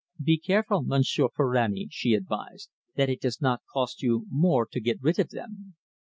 "Be careful, Monsieur Ferrani," she advised, "that it does not cost you more to get rid of them."